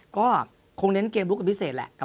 ก็คงเน้นเกมลุกเป็นพิเศษแหละ